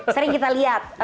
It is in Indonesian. sering kita lihat